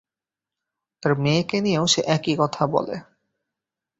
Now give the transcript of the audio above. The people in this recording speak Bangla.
তার মেয়েকে নিয়েও সে একই কথা বলে।